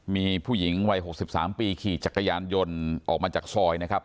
มีผู้หญิงวัย๖๓ปีขี่จักรยานยนต์ออกมาจากซอยนะครับ